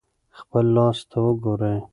خپل لاس ته وګورئ.